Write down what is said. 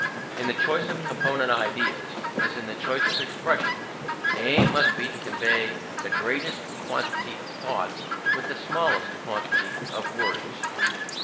In the choice of component ideas, as in the choice of expressions, the aim must be to convey the greatest quantity of thoughts with the smallest quantity of words.